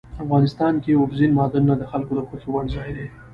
افغانستان کې اوبزین معدنونه د خلکو د خوښې وړ ځای دی.